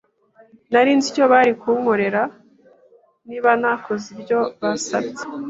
Nari nzi icyo bari kunkorera niba ntakoze ibyo basabye.